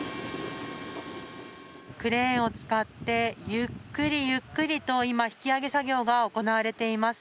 クレーンを使ってゆっくりゆっくりと今、引き揚げ作業が行われています。